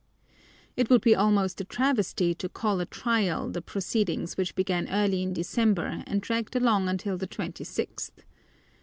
It would be almost a travesty to call a trial the proceedings which began early in December and dragged along until the twenty sixth.